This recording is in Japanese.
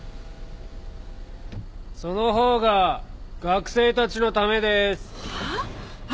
その方が学生たちのためです。はあ？